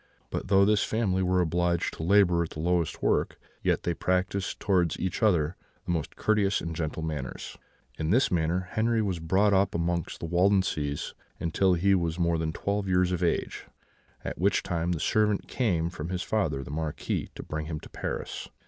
But though this family were obliged to labour at the lowest work, yet they practised towards each other the most courteous and gentle manners. "In this manner Henri was brought up amongst the Waldenses till he was more than twelve years of age, at which time the servant came from his father, the Marquis, to bring him to Paris.